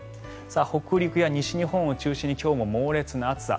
北陸や西日本を中心に今日も猛烈な暑さ。